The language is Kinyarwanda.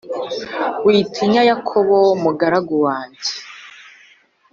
witinya, yakobo, mugaragu wanjye,